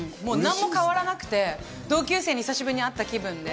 何も変わらなくて同級生に久しぶりに会った気分で、